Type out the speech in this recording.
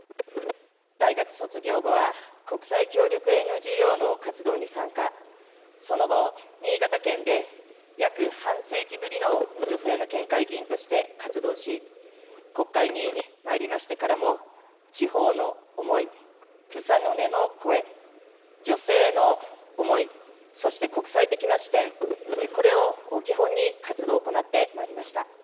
大学卒業後は、国際協力ＮＧＯの活動に参加、その後、新潟県で約半世紀ぶりの女性の県会議員として活動し、国会にまいりましてからも、地方の思い、草の根の声、女性の思い、そして国際的な視点、これを基本に活動を行ってまいりました。